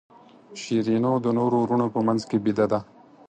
شیرینو د نورو وروڼو په منځ کې بېده ده.